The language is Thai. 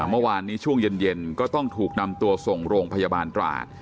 เมื่อวานนี้ช่วงเย็นก็ต้องถูกนำตัวส่งโรงพยาบาลตราด